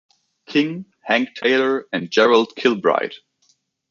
King, Hank Taylor and Gerard Kilbride.